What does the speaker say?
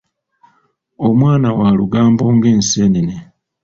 Omwana wa lugambo ng'enseenene.